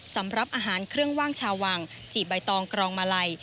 สำหรับอาหารเครื่องว่างชาววังจีบใบตองกรองมาลัย